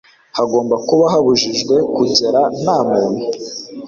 hagomba kuba habujijwe kugera nta muntu